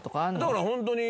だからホントに。